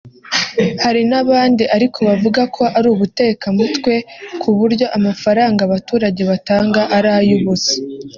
Hari n’abandi ariko bavuga ko ari ubutekamutwe ku buryo amafaranga abaturage batanga ari ay’ubusa